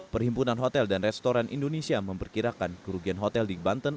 perhimpunan hotel dan restoran indonesia memperkirakan kerugian hotel di banten